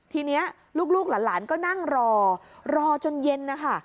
ทีนี้ลูกหลานก็นั่งรอรอจนเย็นนะคะ